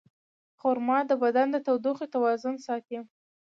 خرما د بدن د تودوخې توازن ساتي.